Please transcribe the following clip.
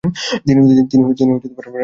তিনি রাজনীতিতে যোগ দিয়েছিলেন।